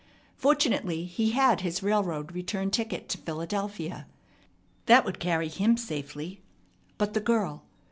Fortunately he had his railroad return ticket to Philadelphia. That would carry him safely. But the girl.